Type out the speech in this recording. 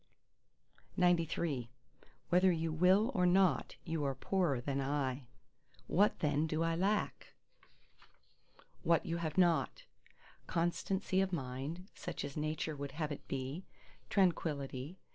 XCIV Whether you will or no, you are poorer than I! "What then do I lack?" What you have not: Constancy of mind, such as Nature would have it be: Tranquillity.